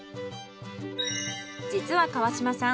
実は川島さん